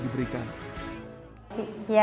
siti memiliki kekuatan yang sangat berharga